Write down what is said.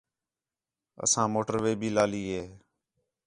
اَساں موٹر وے بھی لالی ہے